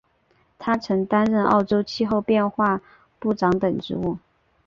他曾经担任澳洲气候变化部长等职务。